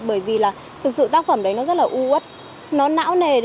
bởi vì là thực sự tác phẩm đấy nó rất là u ất nó não nề